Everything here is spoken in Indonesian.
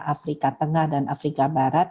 afrika tengah dan afrika barat